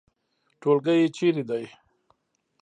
ټولګی چیرته ده؟